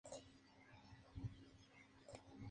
La localidad se ubica en una zona agrícola-ganadera.